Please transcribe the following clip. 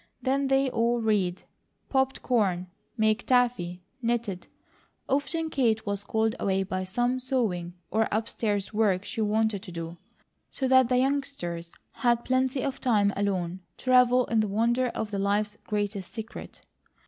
Then they all read, popped corn, made taffy, knitted, often Kate was called away by some sewing or upstairs work she wanted to do, so that the youngsters had plenty of time alone to revel in the wonder of life's greatest secret.